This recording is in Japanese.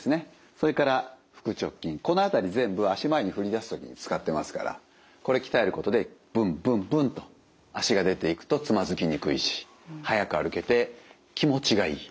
それから腹直筋この辺り全部足前に振り出す時に使ってますからこれ鍛えることでブンブンブンと足が出ていくとつまずきにくいしはやく歩けて気持ちがいい。